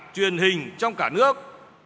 truyền hình trong cả nước